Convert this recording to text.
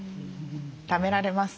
ためられます。